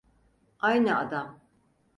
Aynı adam.